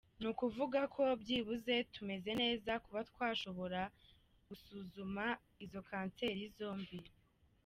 Ni ukuvuga ko byibuze tumeze neza kuba twashobora gusuzuma izo kanseri zombi.